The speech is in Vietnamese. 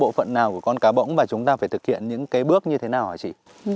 bộ phận nào của con cá bỗng và chúng ta phải thực hiện những cái bước như thế nào hả chị